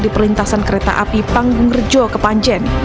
di perlintasan kereta api panggung rejo ke panjen